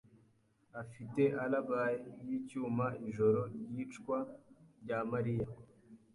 afite alibi yicyuma ijoro ryicwa rya Mariya.